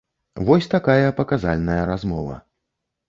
Вось такая паказальная размова.